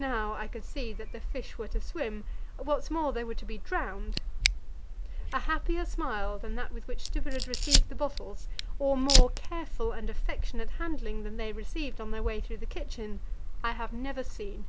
Now I could see that the fish were to swim what's more, they were to be drowned. A happier smile than that with which Stubberud received the bottles, or more careful and affectionate handling than they received on their way through the kitchen, I have never seen.